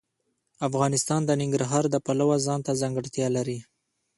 افغانستان د ننګرهار د پلوه ځانته ځانګړتیا لري.